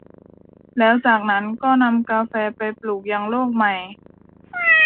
แล้วจากนั้นก็นำกาแฟไปปลูกยังโลกใหม่